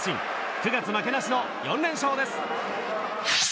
９月負けなしの４連勝です。